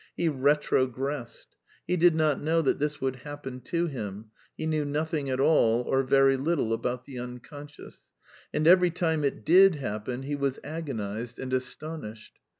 He retrogressed. He did not know that this would happen to him (he knew nothing at all or very little about the Unconscious) ; and every time it did happen he was agonized and astonished.